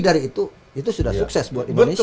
dari itu itu sudah sukses buat indonesia